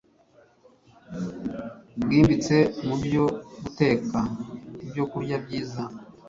bwimbitse mu byo guteka ibyokurya byiza